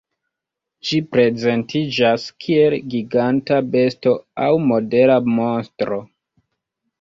Ĝi prezentiĝas kiel giganta besto aŭ modela monstro.